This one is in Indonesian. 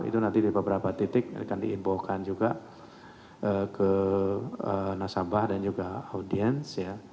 itu nanti di beberapa titik akan diinfokan juga ke nasabah dan juga audiens